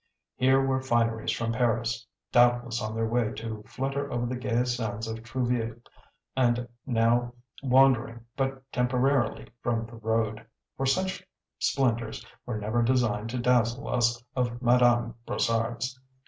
Here were fineries from Paris, doubtless on their way to flutter over the gay sands of Trouville, and now wandering but temporarily from the road; for such splendours were never designed to dazzle us of Madame Brossard's.